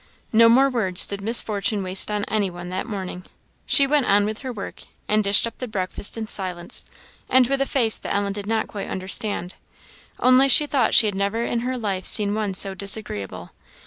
No more words did Miss Fortune waste on any one that morning. She went on with her work, and dished up the breakfast in silence, and with a face that Ellen did not quite understand; only she thought she had never in her life seen one so disagreeable.